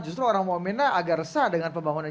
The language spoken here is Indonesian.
justru orang maumena agak resah dengan pembangunan